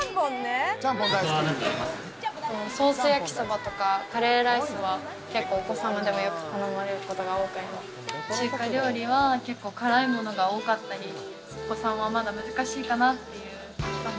ソース焼きそばとかカレーライスは結構お子様でもよく頼まれることが多く、中華料理は辛いものが多かったり、お子さんはまだ難しいかなっていう。